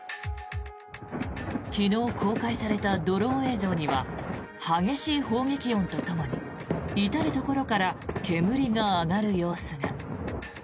昨日、公開されたドローン映像には激しい砲撃音とともに至るところから煙が上がる様子が。